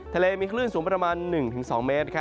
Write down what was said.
ทะเลมีคลื่นสูงประมาณ๑๒เมตร